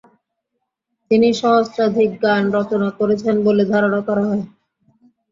তিনি সহস্রাধিক গান রচনা করেছেন বলে ধারণা করা হয়।